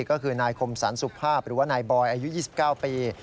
ก็คือนายคมสรรสุภาพหรือว่านายบอยอายุ๒๙ปี